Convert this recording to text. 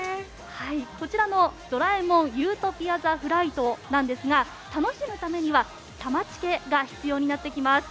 こちらの「ドラえもん理想郷ザ・フライト」ですが楽しむためにはサマチケが必要になってきます。